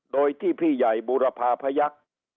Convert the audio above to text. โดยที่พี่ใหญ่บูรพาพยักษ์